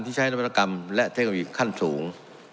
ที่ใช้โรงพยาบาลกรรมและเทคโนมัติขั้นสูง